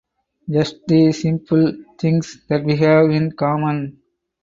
Just the simple things that we have in common.